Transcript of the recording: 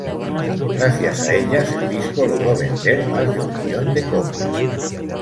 Gracias a ellas, el disco logró vender más de un millón de copias.